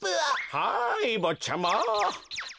はいぼっちゃま。